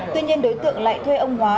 tuy nhiên đối tượng lại thuê ông hóa